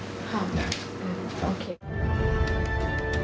ครับโอเค